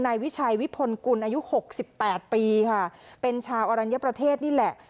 นายวิชัยวิพลกุลอายุหกสิบแปดปีค่ะเป็นชาวอรัญญประเทศนี่แหละ